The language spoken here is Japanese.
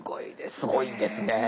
すごいですね。